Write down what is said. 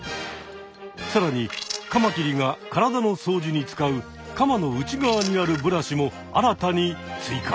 さらにカマキリが体のそうじに使うカマの内側にあるブラシも新たに追加。